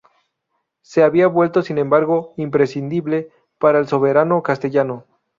Se había vuelto sin embargo imprescindible para el soberano castellano.